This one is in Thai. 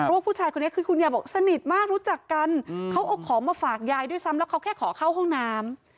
ว่าผู้ชายคนนี้คือคุณยายบอกสนิทมากรู้จักกันเขาเอาของมาฝากยายด้วยซ้ำแล้วเขาแค่ขอเข้าห้องน้ำ